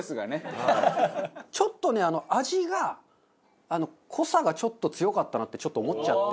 ちょっとね味が濃さがちょっと強かったなって思っちゃって。